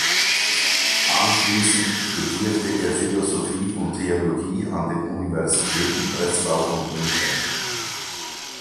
Anschließend studierte er Philosophie und Theologie an den Universitäten Breslau und München.